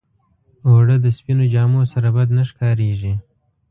اوړه د سپينو جامو سره بد نه ښکارېږي